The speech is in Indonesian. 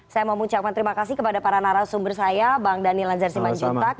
saya mau mengucapkan terima kasih kepada para narasumber saya bang daniel lanzar siman juntag